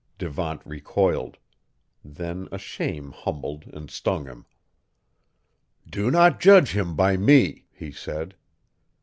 Devant recoiled. Then a shame humbled and stung him. "Do not judge him by me!" he said.